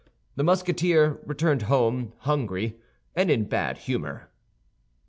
The Musketeer returned home hungry and in bad humor.